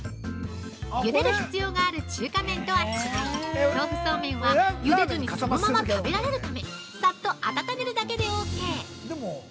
◆ゆでる必要がある中華麺とは違い、豆腐そうめんはゆでずにそのままでも食べられるため、さっと温めるだけでオーケー。